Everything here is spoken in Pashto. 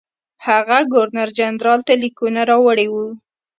هغه ګورنرجنرال ته لیکونه راوړي وو.